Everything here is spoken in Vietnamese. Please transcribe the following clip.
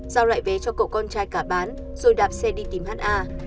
giao lại vé cho cậu con trai cả bán rồi đạp xe đi tìm ha